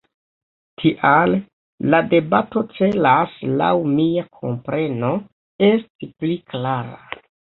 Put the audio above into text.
Tial la debato celas, laŭ mia kompreno, esti pli klara.